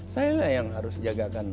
saya lah yang harus jagakan